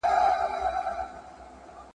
قاتل ورک دی له قاضي له عدالته ,